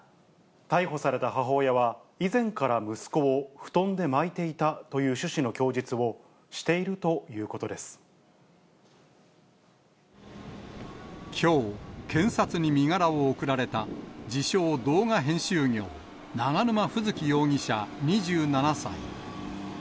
逮捕された母親は、以前から息子を布団で巻いていたという趣旨の供述をしているといきょう、検察に身柄を送られた、自称動画編集業、永沼楓月容疑者２７歳。